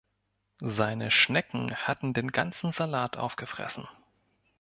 Seine Schnecken hatten den ganzen Salat aufgefressen.